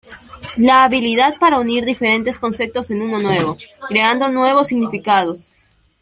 La habilidad para unir diferentes conceptos en uno nuevo, creando nuevos significados.